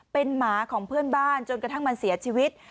เป็นหมาของเพื่อนบ้านจนกระทั่งมันเสียชีวิต